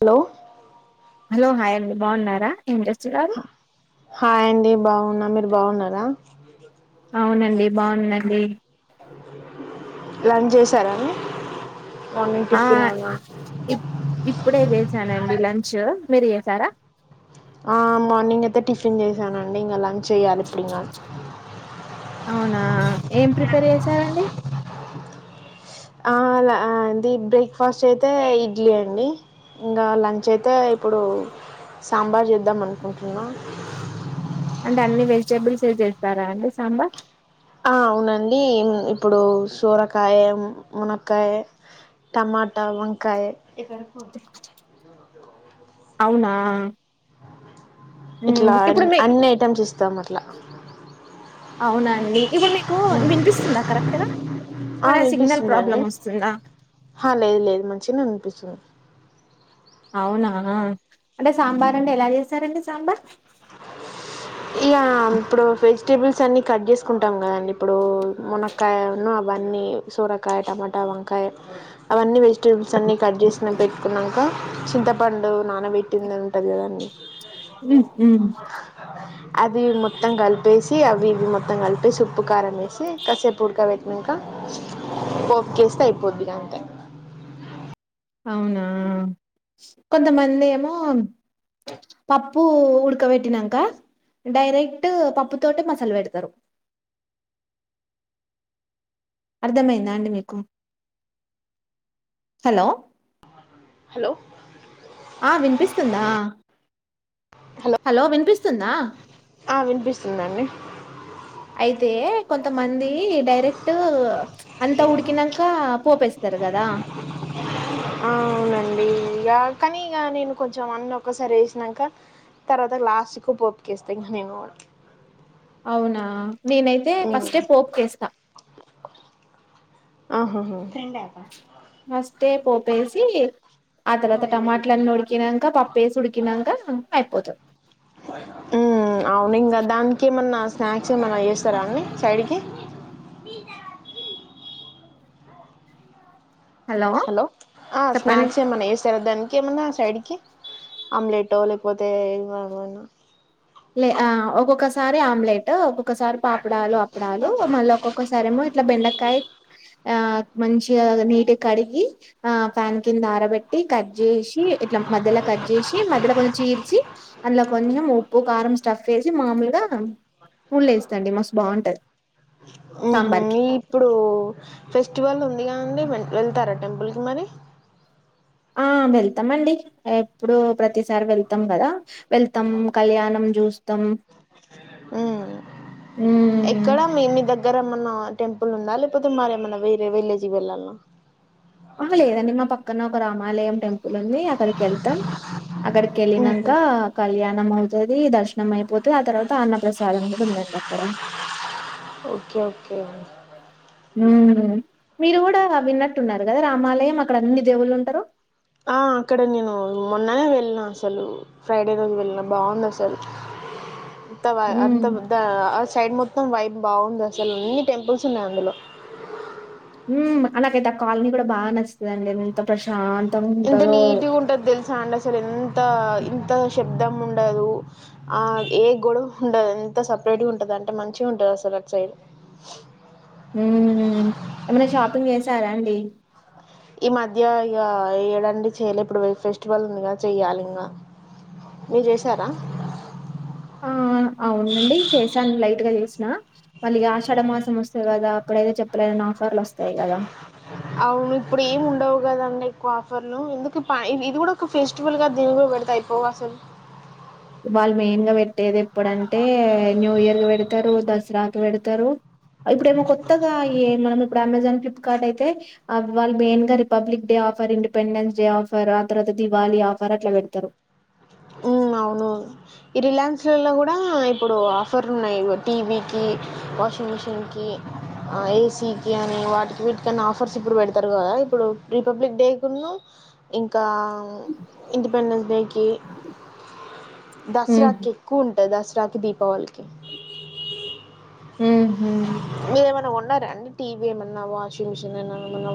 Hello hello hi అండి బావున్నరా hi అండి బావున్నా మీరు బాగున్నారా అ [inaudible] అవునండి బావుందండి లంచ్ చేశార అండి ఆ ఇ ఇప్పుడే చేసానండి లంచ్ మీరు చేసారా ఆ మార్నింగ్ అయితే టిఫిన్ చేశానండి ఇంకా లంచ్ చేయాలి ఇప్పుడు ఇంగ అవునా ఏం ప్రిపేర్ చేసారండి ఆ అది బ్రేక్ఫాస్ట్ అయితే ఇడ్లీ అండి ఇంకా లంచ్ అయితే ఇప్పుడు సాంబార్ చేద్దాం అనుకుంటున్నా అంటే అన్ని వెజిటబుల్స్ ఏసి చేస్తారా అండి సాంబార్ ఆ అవునండి ఇప్పుడు సోరకాయ మునక్కాయ్ టమాటా వంకాయ అవునా ఇట్లా మ్మ్ అ ఇప్పుడు అన్ని ఐటెమ్స్ ఇస్ దా మట్ల అవునా అండి ఇప్పుడు మీకు వినిపిస్తుందా కరెక్ట్గా ఆ ఏమైనా సిగ్నల్ వినిపిస్తుందండి ప్రాబ్లమ్ వస్తుందా ఆ, లేదు లేదు మంచిగానే వినిపిస్తుంది అవునా అంటే సాంబార్ అంటే ఎలా చేస్తారండి సాంబార్ ఇగా ఇప్పుడు వెజిటేబుల్స్ అన్ని కట్ చేసుకుంటాం కదండి ఇప్పుడు మునక్కాయ ను అవన్నీ సోరకాయ టమాటా వంకాయ అవన్నీ వెజ్ వెజిటబుల్స్ అన్నీ కట్ చేసిన పెట్టుకున్నాక చింతపండు నానబెట్టింది ఉంటది కదండీ హ్మ్ మ్మ్ అవి మొత్తం కలిపేసి అవి ఇవి మొత్తం కలిపేసి ఉప్పు కారం వేసి కాసేపు ఉడకపెట్టినంక పోపుకేస్తే అయిపోద్ది ఇకఅంతే అవునా కొంతమంది ఏమో పప్పు ఉడకబెట్టినాక డైరెక్ట్ పప్పుతోటె మసాలా పెడతరు. అర్థమయ్యిందా అండి మీకు హలో హలో ఆ వినిపిస్తుందా హలో ఆ వినిపిస్తున్నాండి అయితే కొంతమంది ఈ డెక్ట్ చ్ అ ఉడికిక పోపేస్తారు కదా అవునండి ఇక కానీ ఇగ నేను కొంచెం అన్నీ ఒక్కసారి ఏసినంక తర్వాత లాస్ట్కు పోపుకేస్తా ఇంక నేను అవునా నేనైతే ఫస్టే పోపుకేస్తా ఆహాహ ఫస్టే పోపేసి ఆ తర్వాత టమాటలన్నీ ఉడికినాక పప్పేసి ఉడికినాక అయిపోతద్ చ్చేమనా చేస్తారా అండి సైడ్కి హలో ఆ చెప్పండి స్నాక్స్ ఏమన్నా ఎస్తారా దానికి ఏమన్నా ఆ సైడ్కి ఆమ్లెట్ లేకపోతే ఏదికావలన్న లే అ ఒక్కొక్కసారి ఆమ్లెట్ ఒ ఒక్కసారి పాపడాలు అప్పడాలు మళ్ళీ ఒక్కొక్కసారి ఏేమో ట్లా బెండకాయ్ ఆ మంచిగా నీటి కడిగి ఆ ఫ్యాన్ కింద ఆరబెట్టి కట్ చేసి ఇట్లా మధ్యలో కట్ చేసి మధ్యలో కొంచం చీర్చి అందులో కొంచెం ఉ పు కారం స్టఫ్ వేసి మామూలుగా ఉల్లేస్తాండి మస్తు బాగుంటుది ఓహో ఇప్పుడు ఫెస్టివల్ ఉంది కాండి వెళ్తారా టెంపుల్కిి మరి ఆ వెళ్తామండి ఎప్పుడు ప్రతిసారి వెళ్తాం కదా వెళ్తాం కళ్యాణం చూస్తాం ఉమ్ గర్ ఏమన్నా టెంపుల్ ఉందా లేకపోతే మరి ఏమన్నా వేరే వెళ్లేేజి వెళ్లల్న ఆహా లేదండి మ పక్కన రామాలయం టెం పులుంది అక్కడిక్ వెళ్తాం అక్కడిక్ వెళ్ళినంక ఉహు కళ్యాణం అవ్ వది దర్శనం అయిపోతే ఆ తర్వాత అన్న ప్రసాదం కూడా ఉందండి అక్కడ ఓకే ఓకే ఉమ్ మీరు కూడా విన్నట్టున్నారు కదా రామాలయం అక్కడ అన్ని దేవుళ్ళు ఉంటరు ఆ అక్కడ నేను మొన్ననే ళ్నా అసలు ఫ్రైడే రోజు వెళ్ళిన బాగుంది అసలు అంత బాగే హ్మ్. అంత ద ఆ సైడ్ ముత్ [unintelligible] వైట్ బాగుంది అసలు అన్ని టెంపుల్స్ ఉన్నాయి అందులో ఉమ్ అ నాకైతే ఆ కాలనీ కూడా బాగా నచ్చందిండి ఎంత ప్రశాం ఎంత నీట్గా ఉంటది తెలుసా అండి అసలు ఎంత ఇంత శేబ్దాం ఉండదు ఏ గడవ ఉండదు ఎంత సపరేట్గా ఉంటుంది అంటే మంచిగా ఉంటుంది అసలుట్ సైడ్ ఉమ్మ్ ఎమన్నా షాపింగ్ చేసారాం డి ఈ మధ్య ఇక ఏడండి చేయ్యలే ఇప్పుడు ఫెస్టివల్ ఉంది చెయ్యాలి ఇంకా మీరు చేసారా ఆ అవునండి చేశాను లైటుగ చేసిన మళ్ళ ఆషాఢ మాసం వస్త కదా [unintelligible] అవును ఇప్పుడు ఏం ఉండవు కదా ఎక్కువ ఆఫర్లు ఎందుకు పై ఇది కూడా ఒక ఫెస్టివల్ గా దీని కూడా పెడతె అయిపోవు అసలు ఇవాళ మెయిన్గ టేద్ ఎప్పుడంటే న్యూ ఇయర్కి పెడతారు ద స్రా పెడతారు ఇప్పుడేమో కొత్తగా ఏ మనము అమెజాన్ ఫ్లిప్కార్ట్ అయితే వాళ్ళు మెయిన్ గా republic day offer independence day offer ఆ తర్వాత దివాళీ ఆఫర్ అట్లా పెడతరు ఉం అవును ఈ రిలయన్స్ లల్లో కూడా ఇప్పుడు ఆఫర్ ఉన్నాయి. టీవీకి, వాషింగ్ మిషిన్కి, ఏసీకి అని వాటికి వీటికన్నా ఆఫర్స్ ఇప్పుడు పెడతారు కదా ఇప్పుడు రిపబ్లిక్ డే కి ఇంకా ఇండిపెండెన్స్ డేకి ఉమ్ దసరాకి ఎక్కువ ఉం దసరా కి దీపావళకి కొన్నారా ఉం టీవీ ఏమన్నా వాషింగ్ మిషన్ ఏమన్నా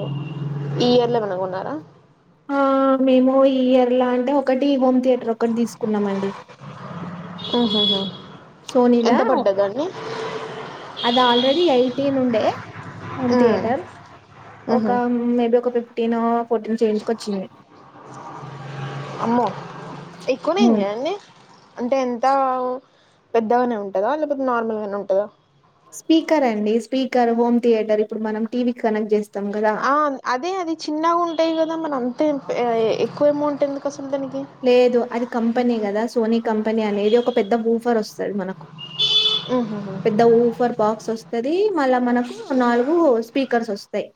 ఈ ఇయర్ లో ఏమన్నా కోన్నారా ఆ మేము ఈ ఇయర్ల అంటే ఒకటి వం థియేటర్ ఒకటి తీసుకున్నామండి ఉ హు హు సోనీలా అది ఆల్రెడీ ఎయిటీన్ ఉండే హోమ్ మ్మ్. థియేటర్ ఒక మ్హూ. మే బి ఒక తిను అమ్మో ఎక్కువనే ఉమ్ అయింది కదండీ అంటే ఎంత ఓ పెద్దగానే ఉంటందా లేకపోతే నార్మల్ గానే ఉంటదా స్పీకర్ అండి స్పీకర్ హోమ్ థియేటర్ ఇప్పుడు మనం టీవీ ఆ అదే అది చిన్నగా ఉంటాయి కదా మన అంతే ఎక్కువ అమౌంట్ ఎందుకు అసలు దానికి లేదు అది కంపెనీ కదా సోని కంపెనీ అనేది ఒక పెద్ద ఊఫర్ వస్తుంది మనకు మ్హూ. పెద్ద ఊఫర్ బాక్స్ వస్తది మళ్ళ మనకు నాలుగు స్పీకర్స్ వస్తయి.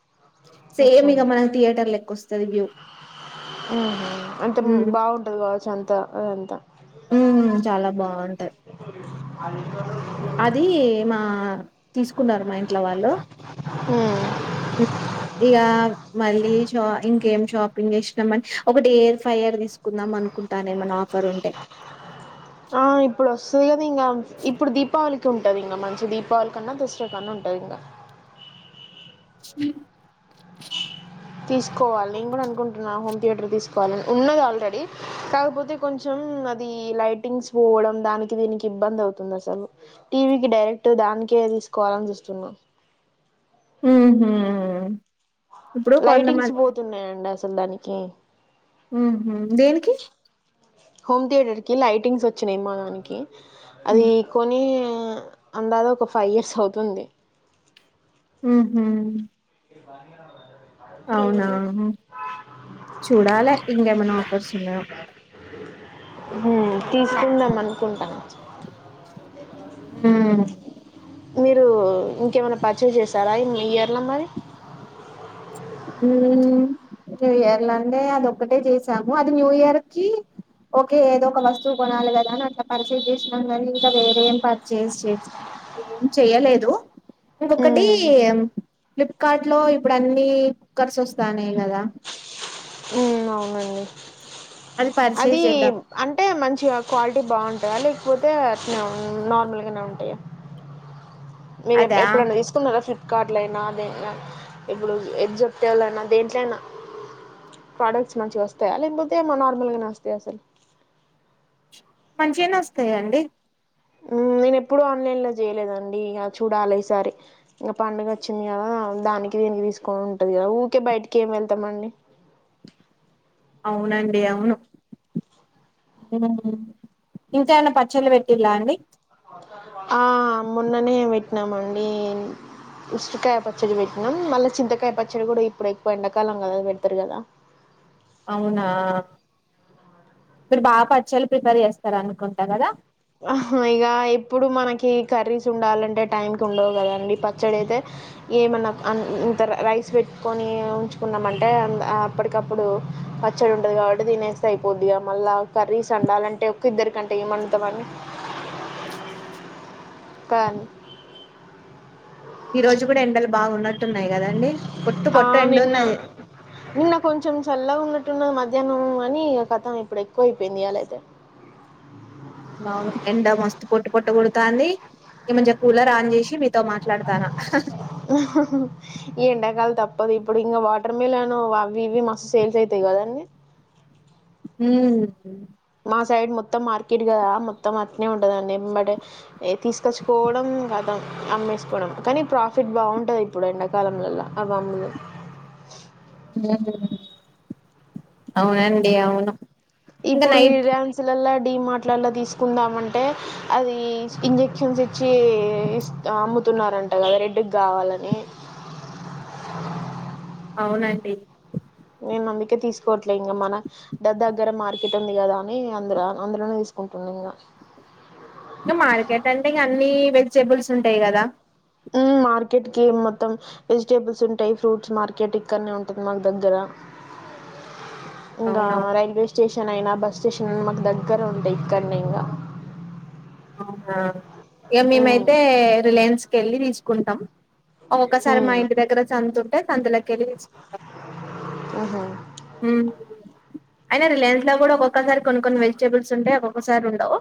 అచ్చా సేమ్ ఇక మ్హూ. మనకి థియేటర్ లెక్కు వస్తుంది వ్యూ ఉం పోవచు అంతె [unintelligible] త ఉమ్మ్ చాలా బాగుంటది అది మా [inaudible] తీసుకున్నారు మాయిన్ ఇట్ల వాళ్ళు మ్మ్. కొద్దిగా మల్లి [unintelligible] ఇంకేం షాపింగ్ చేసినామని ఒకటి ఎయిర్ ఫైయర్ తీసుకుందాం అనుకుంటానే ఏమన్నా ఆఫర్ ఉంటే ఆ ఇప్పుడు వస్తుది కధ ఇప్పుడు దీపావళి ఉంటది ఇంకా మంచి దీపావళి కన్నా దసరా కన్నా ఉంటది ఇంకా స తీసుకోవాలి నేను కూడా అనుకుంటున్నా హోమ్ థియేటర్ తీసుకోవాలని ఉన్నది ఆల్రెడీ కాకపోతే కొంచెం అది లైటింగ్స్ పోవడం దానికి దీనికి ఇబ్బంది అవుతుంది అసలు టీవీకి డైరెక్ట్ దానికే తీసుకోవాలని చూస్తున్నా అహుమ్ లైటింగ్స్ పోతున్నాయండి అసలు ప చందని కే ఉహుమ్ దేనికి హోమ్ థియేటర్ కి లైటింగ్స్ వచ్చినాయి మా దానికి అది హ్మ్. కొని ఆ అందలో ఒక ఫైవ్ ఇయర్స్ అవుతుంది ఉహుమ్ బా చూడాలే ఇంకేమైనా ఆఫర్స్ ఉన్నాయో. తీసుకుందాం అనుకుంటాను ఆమ్ మీరు ఇంకేమైనా పూర్చసే చేసారా ఇయర్లో మరి న్యూ ఇయర్ లో అంటే అదిక్కటే చేసాము అది న్యూ ఇయర్ కి ఓకే ఏదో ఒక వస్తువు కొనాలి కదా అని అట్లా పర్చేస్ చేసినాం కాని ఇంకా వేరే ఏం పర్చేస్ చేసినాం అంటే ఏం చేయలేదు ఇంకొకటి ఫ్లిప్కార్ట్ లో ఇప్పుడు అన్ని కర్స్ వస్తానే కదా ఉమ్ అవునండి అది పర్చేస్ చేద్దాం. అంటే మంచిగా క్వాలిటీ బాగుంటుంది అ లేకపోతే అట్ నార్మల్గానే ఉంటాయి మీరు అదా? ఎప్పుడున్న తీసుకున్నారా ఫ్లిప్ కార్ట్లయినా ఇప్పుడు జేప్ టోలైనా దేంట్యినా ప్రోడక్ట్స్ మంచి వస్తాయా లేకపోతే ఏమో నార్మల్ గానే వస్తాయి అసలు మంచిగానే వస్తాయా అండి నేను ఎప్పుడూ ఆన్లైన్ లో చేయలేదండి ఇక చూడాలి ఈసారి ఇంక పండుగ వచ్చింది కదా దానికి దీనికి తీసుకని ఉంటది కదా ఊరికే బయటికి ఏం వెళ్తామండి అవునండి అవును ఉమ్ ఇంకామనా పచ్చళ్ళ పెట్టిలా అండి ఆ మొన్ననే పెట్టినామ అండి ఉసిరికాయ పచ్చడి పెట్టినాం మళ్ళీ చింతకాయ పచ్చడి కూడా ఇప్పుడు ఎక్కువ ఎండాకాలం కద పెడతారు కదా అవునా మీరు బాగా పచ్చళ్లు ప్రిపేర్ చేస్తార అనుకుంటా కదా ఇక ఎప్పుడు మనకి కర్రీస్ ఉండాలంటే టైంకి ఉండవు కదండి పచ్చడి అయితే ఏమన్నా ఇంత రైస్ పెట్టుకొని ఉంచుకున్నామంటే అప్పటికప్పుడు పచ్చడి ఉండదు కాబట్టి దీనేస్తే అయిపోద్ది ఇక మళ్ళా కర్రీస్ అండాలంటే ఒ ఇద్దరికంటే ఏమన్నా ద్దమన్ని తను ఈ రోజు కూడా ఎండలు బాగున్నా పట్టు ఉన్నాయి కదండి పొట్టు ఆ పొట్టు ఎండు నిన్న ఉన్నాయి నిన్న కొంచెం చల్లగా ఉన్నట్టున్నది మధ్యాహ్నం అని కథం ఇప్పుడు ఎక్కువ అయిపోయింది అలాయితే కాంది ఈ మంచిగా కూలర్ ఆన్ చేసి మాట్లాడతానా ఏ ఎండా కాలం తప్పు ఇపో ఇప్పుడు ఇంకా వాటర్ మిలన్ అవి ఇవి మస్తు సేల్స్ అయితాయి కదండీ హమ్ ఆ సైడ్ మొత్తం మార్కెట్ కదా మొత్తం అట్నే ఉంటుందండి బట్ తీసుకొచ్చుకోవడం కదా అమ్మేసుకోవడం కానీ ప్రాఫిట్ బాగుంటుంది ఇప్పుడు ఎండాకాలంలలో అ అమ్మలు అమ్ అవునండి అవును ఇంకా ఇప్పుడు ఈ నైట్ యాన్సులలా డీ మార్టీలలో తీసుకుందాంటే అది ఇంజక్షన్ చేసినా తున్నారంట కదా రెడ్కి కావాలని అవునండి నేను అందుకే తీసుకోవట్లే ఇంక మన దగ్గర మార్కెట్ ఉంది కదా అని అందు అందులోనే తీసుకుంటున్నా ఇంకా ఇంక మార్కెట్ అంటే ఇంకా అన్ని వెజిటేబుల్స్ ఉంటాయి కదా ఆ మార్కెట్ కి మొత్తం వెజిటేబుల్స్ ఉంటాయి ఫ్రూట్స్ మార్కెట్ ఇక్కడనే ఉంటుంది మాకు దగ్గర ఇంకా అవునవును రైల్వే స్టేషన్ నైనా బస్ స్టేషన్ మాకు దగ్గర ఉంటాయి ఇక్కనీ ఇంకా అవునాా ఇక మేమ్ మ్మ్ అయితే రిలయన్స్ తీసుకెళ్ళి తీసుకుంటాం ఒక్కసారి మా హ్మ్ ఇంటి దగ్గర చందుతుంటే అందులకెలి అహ హ్మ్ అయినా రిలయన్స్ లో కూడా ఒక్కొక్కసారి కొన్ని కొన్ని వెజిటేబుల్స్ ఉంటాయి ఒక్కొక్కసారి ఉండవు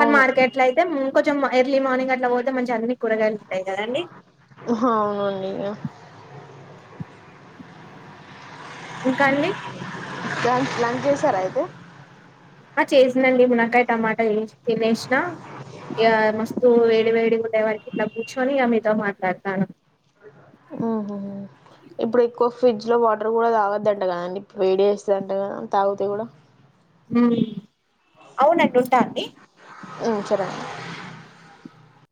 ప మార్కెట్ లో అయితే కొంచెం ఎర్లీ మార్నింగ్ అట్లా పోతే మంచి అ హ అవునండి ఇంకా అండి ప్లాన్ ప్లాన్ చేశారా అయితే ఆ చేసిందండి మునకాయ టమాటా తినేష్న ఇక మస్తు వేడి వేడి [unintelligible] ఉహు ఇప్పుడు ఎక్కువ ఫ్రిడ్జ్ లో వాటర్ కూడా తాగద్దంట కదండి వేడి చేస్తుందట కదా తాగుతా కూడా హ్మ్. అవునండి ఉంటా అండి ఊ సరే అండి